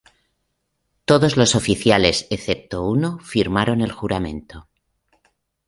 Todos los oficiales, excepto uno, firmaron el juramento.